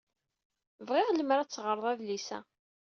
Bɣiɣ lemmer ad teɣred adlis-a.